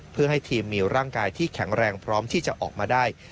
เพื่อให้ทีมมีร่างกายที่แข็งแรงพร้อมที่จะออกมาได้